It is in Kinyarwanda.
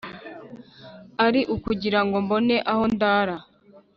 Ari ukugirango mbone aho ndara?